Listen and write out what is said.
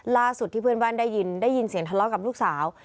ที่เพื่อนบ้านได้ยินได้ยินเสียงทะเลาะกับลูกสาว